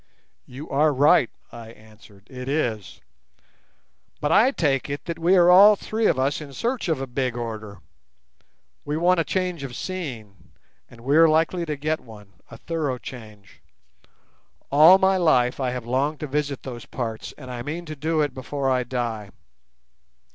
"You are right," I answered, "it is; but I take it that we are all three of us in search of a big order. We want a change of scene, and we are likely to get one—a thorough change. All my life I have longed to visit those parts, and I mean to do it before I die.